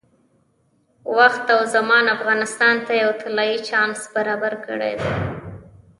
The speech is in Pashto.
وخت او زمان افغانستان ته یو طلایي چانس برابر کړی دی.